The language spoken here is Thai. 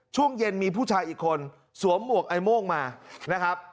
ช่วงเย็นมีผู้ชายอีกคนสวมหมวกไอโม่งมานะครับ